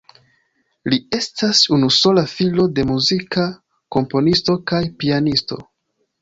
Li estas unusola filo de muzika komponisto kaj pianisto.